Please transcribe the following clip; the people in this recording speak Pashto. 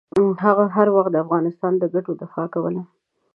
هغه هر وخت د افغانستان د ګټو دفاع کوله.